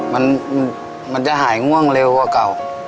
มันมันจะหายง่วงเร็วกว่าเก่า